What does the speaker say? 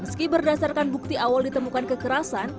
meski berdasarkan bukti awal ditemukan kekerasan